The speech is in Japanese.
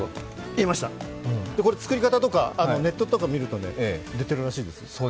言いました、作り方とかネットとか見ると出てるらしいですよ。